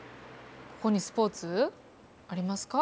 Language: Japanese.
ここにスポーツ？ありますか？